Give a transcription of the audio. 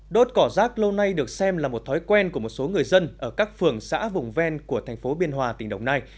đốt cỏ rác lâu nay được xem là một thói quen của một số người dân ở các phường xã vùng ven của thành phố biên hòa tỉnh đồng nai